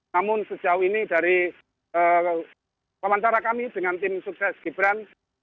namun sejauh ini dari wawancara kami dengan tim sukses gibran